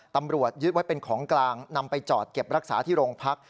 ตำรวจยึดไว้เป็นของกลางนำไปจอดเก็บรักษาที่โรงพัก